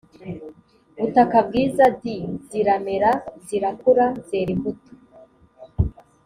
butaka bwiza d ziramera zirakura zera imbuto